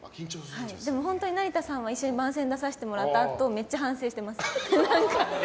でも本当に成田さんは番宣に出させてもらったあとめっちゃ反省してます。